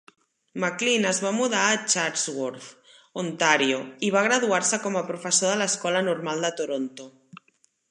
Maclean es va mudar a Chatsworth, Ontàrio i va graduar-se com a professor de l'escola normal de Toronto.